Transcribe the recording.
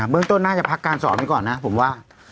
เรื่องต้นน่าจะพักการสอนไว้ก่อนนะผมว่า